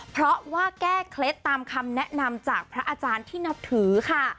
เพราะว่าแก้เคล็ดตามคำแนะนำจากพระอาจารย์ที่นับถือค่ะ